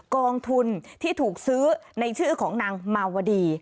กองทุนที่ถูกซื้อในชื่อของนางมาวดี